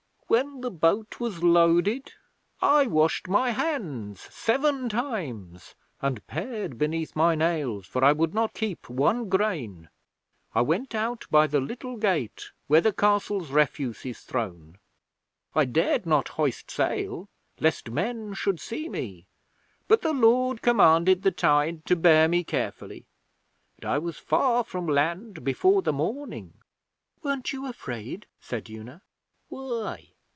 'When the boat was loaded I washed my hands seven times, and pared beneath my nails, for I would not keep one grain. I went out by the little gate where the Castle's refuse is thrown. I dared not hoist sail lest men should see me; but the Lord commanded the tide to bear me carefully, and I was far from land before the morning.' 'Weren't you afraid?' said Una. 'Why?